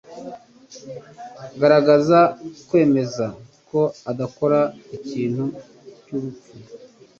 Gerageza kwemeza ko adakora ikintu cyubupfu.